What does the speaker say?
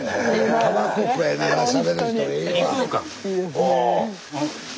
お。